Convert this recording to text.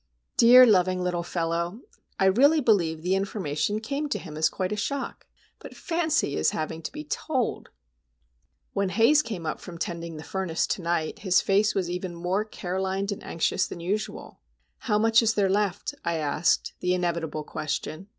Dear, loving, little fellow! I really believe the information came to him as quite a shock. But fancy his having to be told! When Haze came up from tending the furnace to night his face was even more care lined and anxious than usual. "How much is there left?" I asked,—the inevitable question.